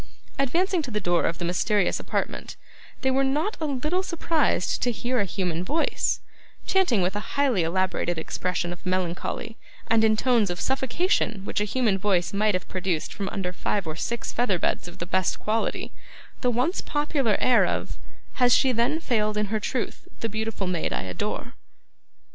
Advancing to the door of the mysterious apartment, they were not a little surprised to hear a human voice, chanting with a highly elaborated expression of melancholy, and in tones of suffocation which a human voice might have produced from under five or six feather beds of the best quality, the once popular air of 'Has she then failed in her truth, the beautiful maid I adore?